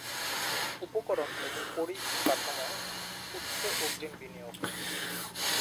উপকরণ এবং পরিকাঠামোয় উচ্চ অগ্রিম বিনিয়োগ।